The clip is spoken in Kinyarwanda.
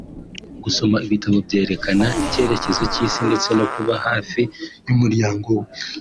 gusoma ibitabo byerekana icyerekezo cy’isi ndetse no kuba hafi y’umuryango we